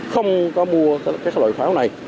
không có mua các loại pháo này